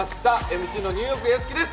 ＭＣのニューヨーク屋敷です。